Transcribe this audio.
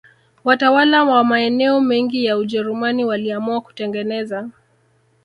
Watawala wa maeneo mengi ya Ujerumani waliamua kutengeneza